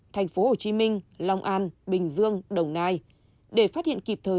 thành phố hồ chí minh long an bình dương đồng nai để phát hiện kịp thời